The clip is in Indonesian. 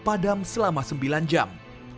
padam selama sembilan jam